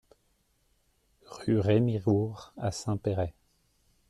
Rue Rémy Roure à Saint-Péray